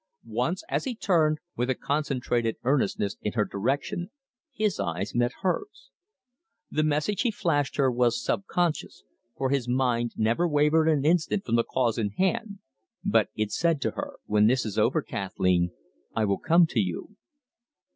Once as he turned with a concentrated earnestness in her direction his eyes met hers. The message he flashed her was sub conscious, for his mind never wavered an instant from the cause in hand, but it said to her: "When this is over, Kathleen, I will come to you."